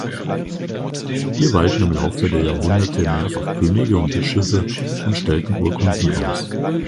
Hier weilten im Laufe der Jahrhunderte mehrfach Könige und Bischöfe und stellten Urkunden aus.